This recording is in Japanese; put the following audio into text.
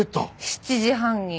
７時半に？